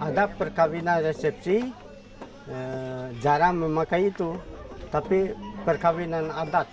ada perkahwinan resepsi jarang memakai itu tapi perkahwinan adat